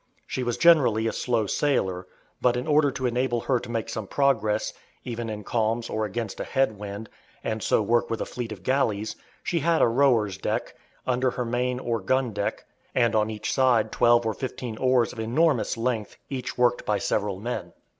She was generally a slow sailer, but in order to enable her to make some progress, even in calms or against a head wind, and so work with a fleet of galleys, she had a rowers' deck, under her main or gundeck, and on each side twelve or fifteen oars of enormous length, each worked by several men.